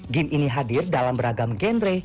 game ini hadir dalam beragam genre